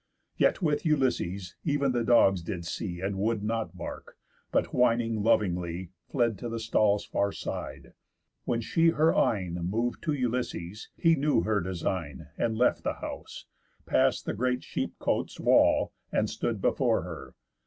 _ Yet, with Ulysses, ev'n the dogs did see, And would not bark, but, whining lovingly, Fled to the stall's far side. When she her eyne Mov'd to Ulysses; he knew her design, And left the house, pass'd the great sheep cote's wall, And stood before her.